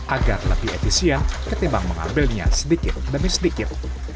agar lebih efisien ketimbang mengambilnya sedikit demi sedikit